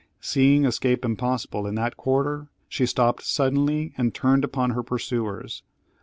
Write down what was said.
Seeing escape impossible in that quarter, she stopped suddenly, and turned upon her pursuers.